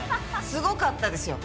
すごかったですよ。